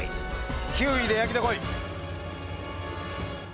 ９位で焼きでこい。